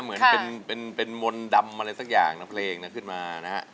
เหมือนเป็นมนต์ดำอะไรสักอย่างนะเพลงนะขึ้นมานะฮะ